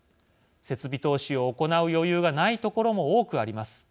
設備投資を行う余裕がないところも多くあります。